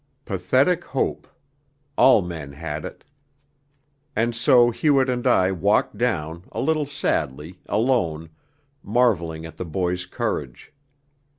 Pathetic hope! all men had it. And so Hewett and I walked down, a little sadly, alone, marvelling at the boy's courage.